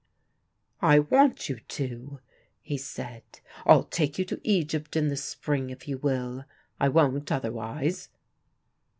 "I want you to," he said. "I'll take you to Egypt in the spring, if you will. I won't otherwise."